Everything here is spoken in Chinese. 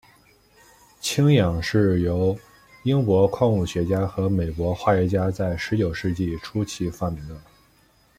氢氧是由英国矿物学家和美国化学家在十九世纪初期发明的。